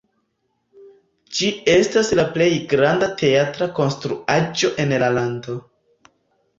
Ĝi estas la plej granda teatra konstruaĵo en la lando.